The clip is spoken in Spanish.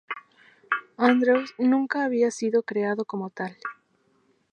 Andrews nunca había sido creado como tal.